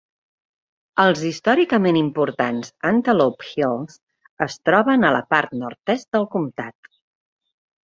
Els històricament importants Antelope Hills es troben a la part nord-est del comtat.